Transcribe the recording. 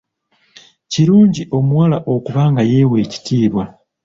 Kirungi omuwala okuba nga yeewa ekitiibwa.